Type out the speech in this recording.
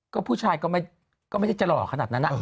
ก็ผู้ชายก็ไม่ได้จะหล่อขนาดนั้น